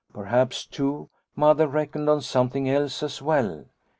"Perhaps, too, Mother reckoned on some thing else as well.